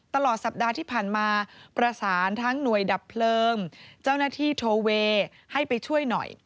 ตลอดสัปดาห์ที่ผ่านมาประสานทั้งหน่วยดับเพลิงเจ้าหน้าที่โทเวย์ให้ไปช่วยหน่อย